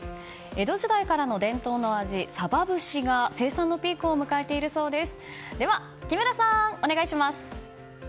江戸時代からの伝統の味サバ節が生産のピークを迎えているそうです。